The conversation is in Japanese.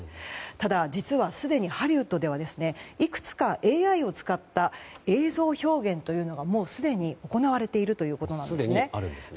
ただ、実はすでにハリウッドではいくつかＡＩを使った映像表現というのがもうすでに行われているということなんです。